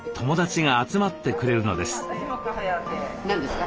何ですか？